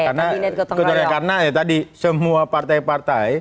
karena ya tadi semua partai partai